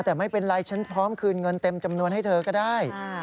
แต่ไม่เป็นไรฉันพร้อมคืนเงินเต็มจำนวนให้เธอก็ได้